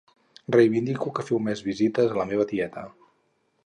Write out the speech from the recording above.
Reivindico que feu més visites a la meva tieta